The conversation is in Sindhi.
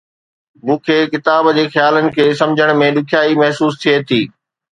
مون کي ڪتاب جي خيالن کي سمجهڻ ۾ ڏکيائي محسوس ٿئي ٿي